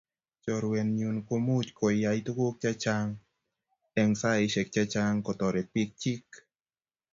Chorwet nyun komuch koyaya tukuk chechang eng saisiek chechang kotoret bik chik.